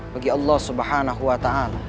bagi allah swt